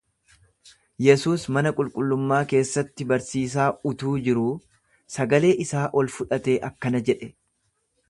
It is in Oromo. Yesuus mana qulqullummaa keessatti barsiisaa utuu jiruu, sagalee isaa ol fudhatee akkana jedhe.